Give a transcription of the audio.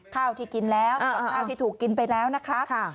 ข้าวที่กินแล้วกับข้าวที่ถูกกินไปแล้วนะคะ